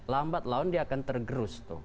lambat laun dia akan tergerus tuh